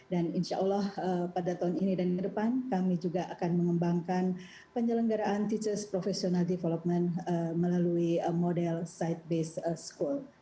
dan insya allah pada tahun ini dan depan kami juga akan mengembangkan penyelenggaraan teachers professional development melalui model site based school